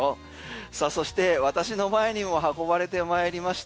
さあそして私の前にも運ばれてまいりました